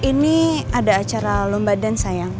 oh ini ada acara lomba dance sayang